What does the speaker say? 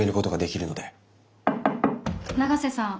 永瀬さん